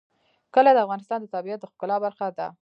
کلي د افغانستان د طبیعت د ښکلا برخه ده.